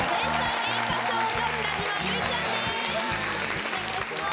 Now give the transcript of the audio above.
お願いします。